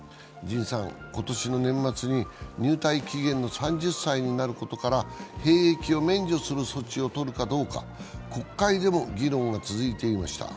ＪＩＮさん、今年の年末に入隊期限の３０歳になることから兵役を免除する措置をとるかどうか国会でも議論が続いていました。